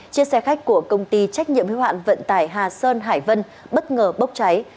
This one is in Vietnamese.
chiếc xe khách của công ty trách nhiệm hiếu hạn vận tải hà sơn hải vân bất ngờ bốc cháy